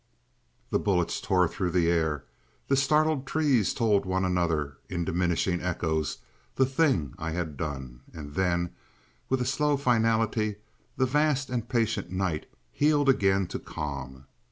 The bullets tore through the air, the startled trees told one another in diminishing echoes the thing I had done, and then, with a slow finality, the vast and patient night healed again to calm.